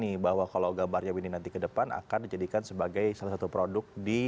nih bahwa kalau gambarnya windy nanti ke depan akan dijadikan sebagai salah satu produk di